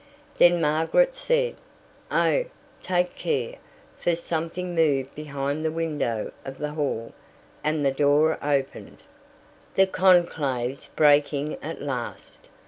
Then Margaret said, "Oh, take care !" for something moved behind the window of the hall, and the door opened. "The conclave's breaking at last.